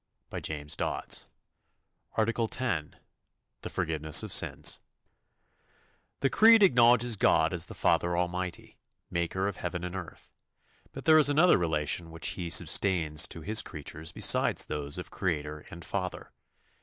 ARTICLE 10 The Forgiveness of Sins The Creed acknowledges God as the Father Almighty, Maker of heaven and earth; but there is another relation which He sustains to His creatures besides those of Creator and Father.